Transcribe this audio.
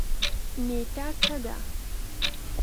نیټه څه ده؟